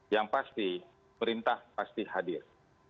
yang pasti perintah pasti hadir